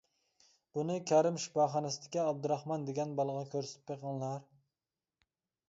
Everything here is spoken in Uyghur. بۇنى كەرىم شىپاخانىسىدىكى ئابدۇراخمان دېگەن بالىغا كۆرسىتىپ بېقىڭلار.